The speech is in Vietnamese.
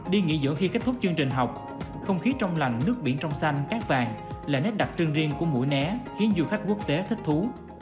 đi nghỉ giữa khi kết thúc chương trình học không khí trong lành nước biển trong xanh cát vàng là nét đặc trưng riêng của mũi né khiến du khách quốc tế thích thú